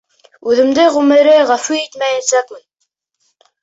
Үҙемде ғүмере ғәфү итмәйәсәкмен!